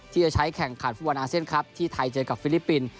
ที่จะใช้แข่งขันฟุตบอลอาเซียนครับที่ไทยเจอกับฟิลิปปินส์